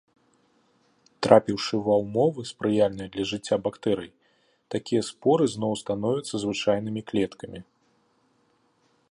Трапіўшы ва ўмовы, спрыяльныя для жыцця бактэрый, такія споры зноў становяцца звычайнымі клеткамі.